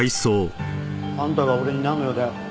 あんたが俺になんの用だよ？